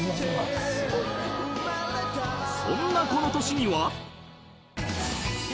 ［そんなこの年には］